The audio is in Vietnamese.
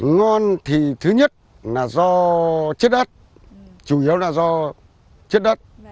ngon thì thứ nhất là do chất đất chủ yếu là do chất đất